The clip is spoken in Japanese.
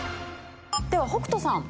では北斗さん